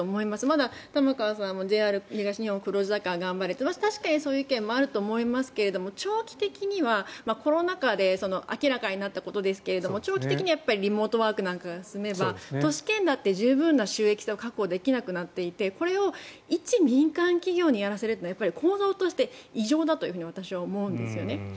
まだ玉川さんもＪＲ東日本、黒字だから頑張れ確かにそういう意見もあると思いますけれども長期的には、コロナ禍で明らかになったことですが長期的にはリモートワークなんかが進めば都市圏だって十分な収益を確保できなくなっていてこれを一民間企業にやらせるというのは構造として異常だと私は思うんですよね。